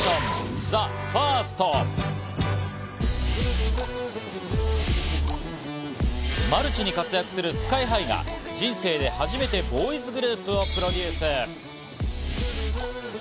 現在、マルチに活躍するＳＫＹ−ＨＩが人生で初めてボーイズグループをプロデュース。